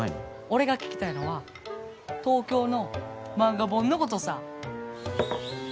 俺が聞きたいのは東京の漫画本のことさぁ。